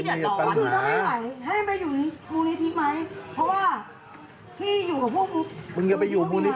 ขอภัยไหมเอางั้นอ้านใต้น้วยบ่อยอยากอยู่ไม่ดี